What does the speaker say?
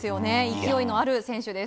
勢いのある選手でです。